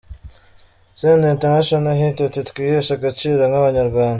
Senderi International Hit ati: Twiheshe agaciro nk'abanyarwanda.